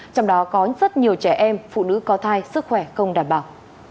trong đó có rất nhiều trẻ em phụ nữ có thai sức khỏe không đảm bảo